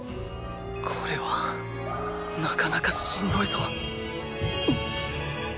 これはなかなかしんどいぞっ！